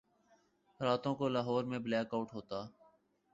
راتوں کو لاہور میں بلیک آؤٹ ہوتا۔